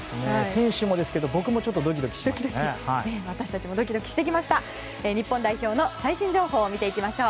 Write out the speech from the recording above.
選手もですが僕もドキドキしてきました。